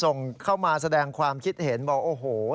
ฟังเสียงอาสามูลละนิทีสยามร่วมใจ